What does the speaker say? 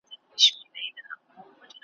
ګټه په تاوان کېږي ,